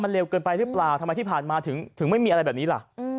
เร็วเกินไปหรือเปล่าทำไมที่ผ่านมาถึงไม่มีอะไรแบบนี้ล่ะ